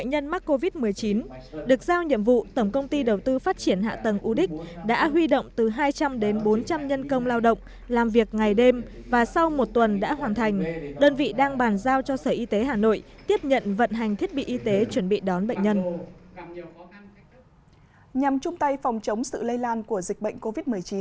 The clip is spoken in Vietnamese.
nhằm chung tay phòng chống sự lây lan của dịch bệnh covid một mươi chín